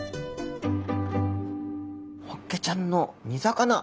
ホッケちゃんの煮魚。